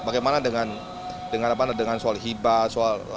bagaimana dengan soal hibat